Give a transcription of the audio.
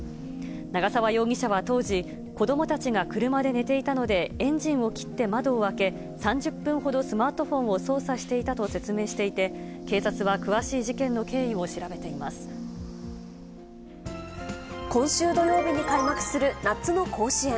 長沢容疑者は当時、子どもたちが車で寝ていたのでエンジンを切って窓を開け、３０分ほどスマートフォンを操作していたと説明していて、警察は今週土曜日に開幕する夏の甲子園。